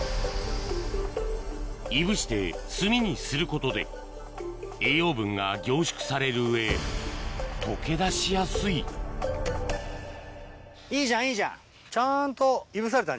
いぶして炭にすることで栄養分が凝縮される上溶け出しやすいいいじゃんいいじゃんちゃんといぶされたんじゃん？